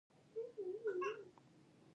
مدیریت د منابعو کارول دي